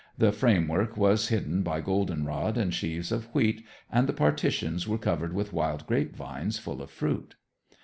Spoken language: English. The framework was hidden by goldenrod and sheaves of wheat, and the partitions were covered with wild grapevines full of fruit.